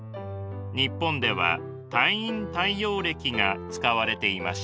日本では太陰太陽暦が使われていました。